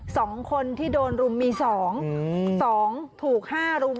สองคนที่โดนรุมมีสองอืมสองถูกห้ารุม